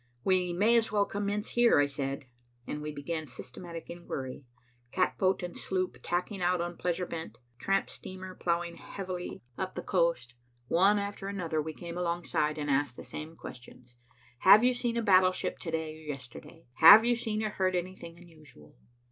"We may as well commence here," I said, and we began systematic inquiry. Catboat and sloop tacking out on pleasure bent, tramp steamer ploughing heavily up the coast, one after another, we came alongside and asked the same questions. "Have you seen a battleship to day or yesterday? Have you seen or heard anything unusual?"